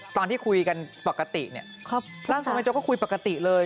ตอนที่คุยกันปกติรางทรงแม่โจ๊กก็คุยปกติเลย